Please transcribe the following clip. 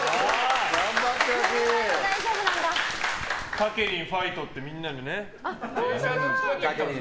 たけりんファイト！ってみんなでね。